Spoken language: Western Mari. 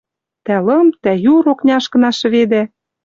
Тӓ лым, тӓ юр окняшкына шӹведӓ